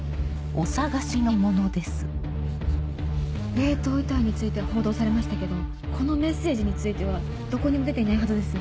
冷凍遺体については報道されましたけどこのメッセージについてはどこにも出ていないはずです。